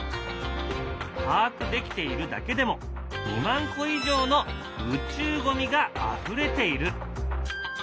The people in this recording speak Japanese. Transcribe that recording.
把握できているだけでも２万個以上の宇宙ゴミがあふれている。